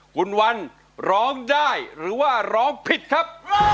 คุณวันร้องได้หรือว่าร้องผิดครับ